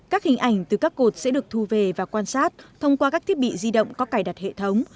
các hình ảnh từ các cột sẽ được thu về và quan sát thông qua các thiết bị di động có cài đặt hệ thống